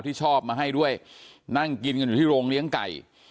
ที่ชอบมาให้ด้วยนั่งกินกันอยู่ที่โรงเลี้ยงไก่